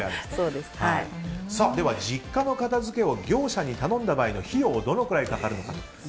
実家の片付けを業者に頼んだ場合の費用、どのくらいかかるのか。